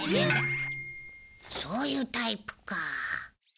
そういうタイプか。